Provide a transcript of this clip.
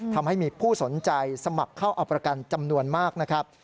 ทำให้มีผู้สนใจสมัครเข้าเอาประกันจำนวนมากนะครับ